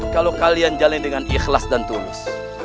kalau kalian jalan dengan ikhlas dan tulus